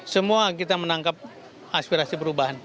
semua kita menangkap aspirasi perubahan